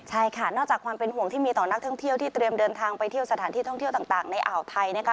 ใช่ค่ะนอกจากความเป็นห่วงที่มีต่อนักท่องเที่ยวที่เตรียมเดินทางไปเที่ยวสถานที่ท่องเที่ยวต่างในอ่าวไทยนะคะ